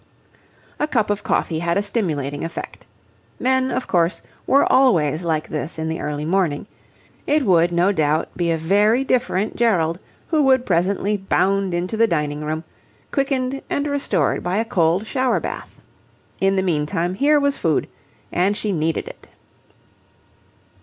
A cup of coffee had a stimulating effect. Men, of course, were always like this in the early morning. It would, no doubt, be a very different Gerald who would presently bound into the dining room, quickened and restored by a cold shower bath. In the meantime, here was food, and she needed it.